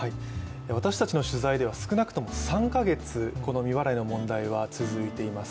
私たちの取材では少なくとも３か月この未払いの問題は続いています。